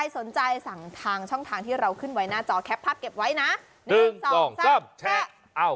สนใจสั่งทางช่องทางที่เราขึ้นไว้หน้าจอแคปภาพเก็บไว้นะหนึ่งสองสามแชร์อ้าว